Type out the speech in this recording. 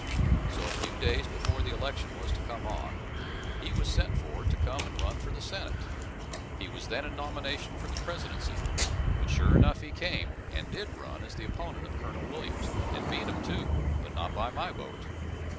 So, a few days before the election was to come on, he was sent for to come and run for the senate. He was then in nomination for the presidency; but sure enough he came, and did run as the opponent of Colonel Williams, and beat him too, but not by my vote.